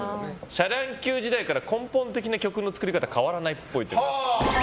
シャ乱Ｑ時代から根本的な曲の作り方変わらないっぽい。